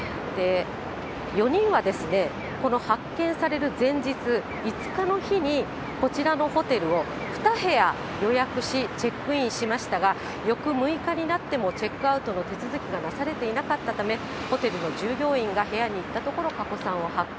４人はこの発見される前日、５日の日に、こちらのホテルを２部屋予約し、チェックインしましたが、翌６日になっても、チェックアウトの手続きがなされていなかったため、ホテルの従業員が部屋に行ったところ、加古さんを発見。